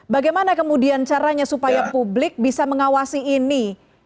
bagaimana kemudian caranya supaya publik bisa mengawasi ini